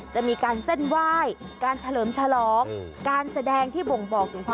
จะมีการเส้นไหว้การเฉลิมฉลอง